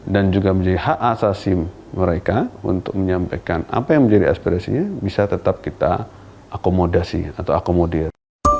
dan juga menjadi hak asasi mereka untuk menyampaikan apa yang menjadi aspirasinya bisa tetap kita akomodasi atau akomodir